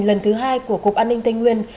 lần thứ hai của cục an ninh tây nguyên